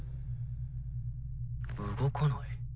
動かない。